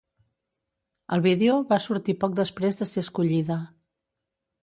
El vídeo va sortir poc després de ser escollida.